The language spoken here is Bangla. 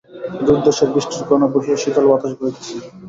দূরদেশের বৃষ্টির কণা বহিয়া শীতল বাতাস বহিতেছে।